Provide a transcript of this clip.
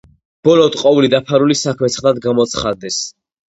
ბოლოდ ყოვლი დაფარული საქმე ცხადად გამოცხადდეს.